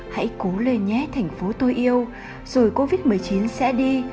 hãy cố lê nhé thành phố tôi yêu rồi covid một mươi chín sẽ đi